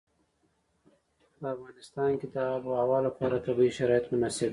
په افغانستان کې د آب وهوا لپاره طبیعي شرایط مناسب دي.